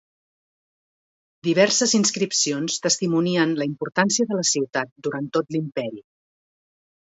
Diverses inscripcions testimonien la importància de la ciutat durant tot l'imperi.